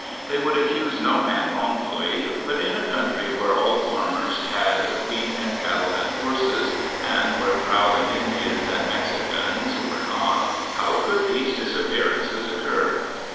They would accuse no man wrongfully, but in a country where all farmers had wheat and cattle and horses, and where prowling Indians and Mexicans were not, how could these disappearances occur?